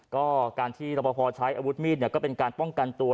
ก็การที่รปภใช้อาวุธมีดเนี่ยก็เป็นการป้องกันตัว